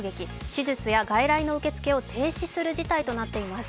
手術や外来の受け付けを停止する事態となっています。